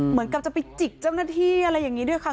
เหมือนกับจะไปจิกเจ้าหน้าที่อะไรอย่างนี้ด้วยค่ะ